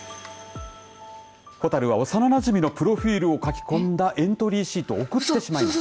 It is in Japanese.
ほたるは幼なじみのプロフィールを書き込んだエントリーシートを送ってしまいます。